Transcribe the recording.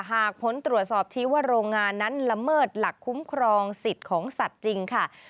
หากผลตรวจสอบชี้ว่าโรงงานนั้นละเมิดหลักคุ้มครองสิทธิ์ของสัตว์จริงค่ะ